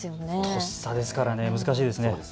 とっさですから難しいですよね。